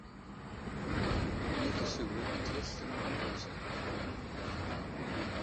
Məkəsewiɗ di sləmay i mərez Ja.